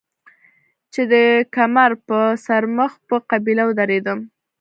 چې د کمر پۀ سر مخ پۀ قبله ودرېدم